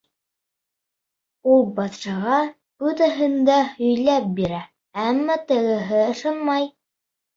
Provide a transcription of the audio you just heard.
Ул батшаға бөтәһен дә һөйләп бирә, әммә тегеһе ышанмай.